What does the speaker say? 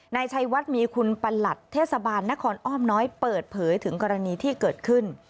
นายชัยวัดมีคุณประหลัดเทศบาลนครอ้อมน้อยเปิดเผยถึงกรณีที่เกิดขึ้น